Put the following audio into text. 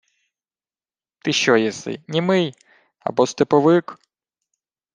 — Ти що єси, німий? Або степовик?